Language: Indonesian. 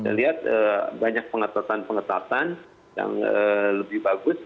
saya lihat banyak pengetahuan pengetahuan yang lebih bagus